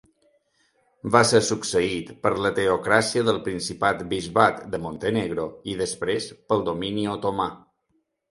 Va ser succeït per la teocràcia del Principat-Bisbat de Montenegro i després pel domini otomà.